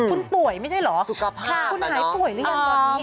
คุณป่วยไม่ใช่เหรอสุขภาพคุณหายป่วยหรือยังตอนนี้